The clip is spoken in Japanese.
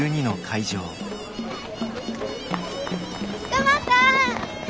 クマさん！